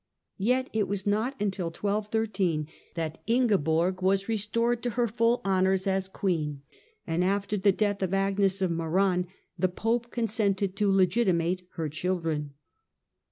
Yet it was not till 1213 that Ingeborg was restored to her full honours as queen, and after the death of Agnes of Meran the Pope consented to legitimate her children.